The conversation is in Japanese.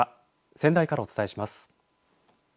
仙台からお伝えします。